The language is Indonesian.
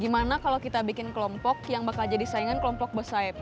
gimana kalau kita bikin kelompok yang bakal jadi saingan kelompok besar